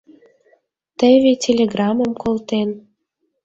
Теве, телеграммым колтен.